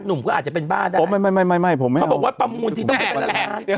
หนุ่มก็อาจจะเป็นบ้าได้ไม่ไม่ไม่ไม่ไม่ผมไม่เอาเขาบอกว่าปำมูลที่ต้องแห่งแห่ง